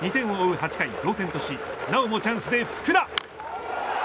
８回、同点としなおもチャンスで福田。